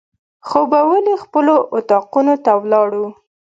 خوبولي خپلو اطاقونو ته ولاړو.